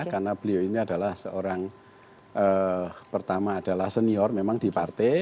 karena beliau ini adalah seorang pertama adalah senior memang di partai